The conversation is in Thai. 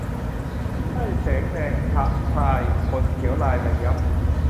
สร้อยแสงแดง พะพราย ขนเขียวลายระยับ